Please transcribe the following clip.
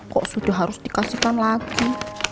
kok sudah harus dikasihkan lagi